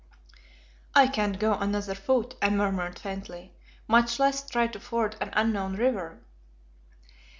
"I can't go another foot," I murmured faintly, "much less try to ford an unknown river."